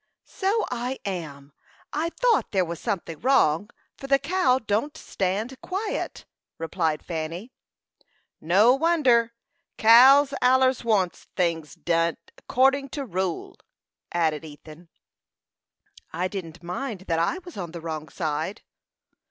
"So I am! I thought there was something wrong, for the cow don't stand quiet," replied Fanny. "No wonder; cows allers wants things did accordin' to rule," added Ethan. "I didn't mind that I was on the wrong side."